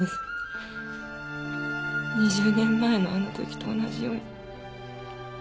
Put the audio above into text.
２０年前のあの時と同じように。